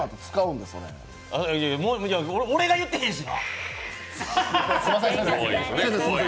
俺が言うてへんし。